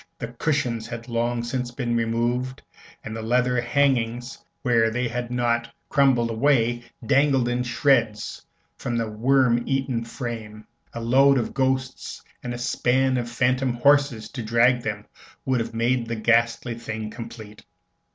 The cushions had long since been removed, and the leather hangings, where they had not crumbled away, dangled in shreds from the worm eaten frame. A load of ghosts and a span of phantom horses to drag them would have made the ghastly thing complete.